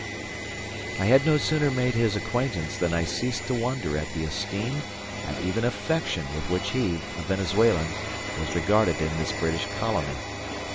I had no sooner made his acquaintance than I ceased to wonder at the esteem and even affection with which he, a Venezuelan, was regarded in this British colony.